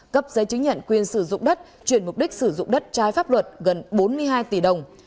cấp giấy chứng nhận quyền sử dụng đất chuyển mục đích sử dụng đất trái pháp luật gần bốn mươi hai tỷ đồng